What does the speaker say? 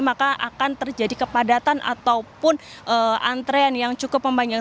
maka akan terjadi kepadatan ataupun antrean yang cukup membanjal